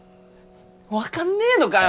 分かんねえのかよ。